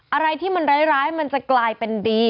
อะไรที่มันร้ายมันจะกลายเป็นดี